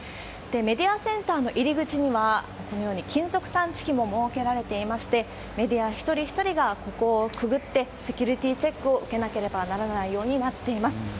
メディアセンターの入り口には、このように金属探知機も設けられていまして、メディア一人一人がここをくぐって、セキュリティーチェックを受けなければならないようになっています。